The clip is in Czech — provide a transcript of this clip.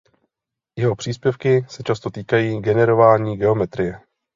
Jeho příspěvky se často týkají generování geometrie.